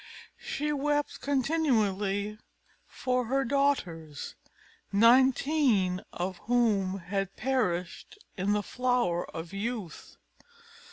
She wept continually for her daughters, nineteen of whom had perished in the flower of youth.